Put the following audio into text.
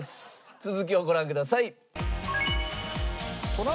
続きをご覧ください。さあ。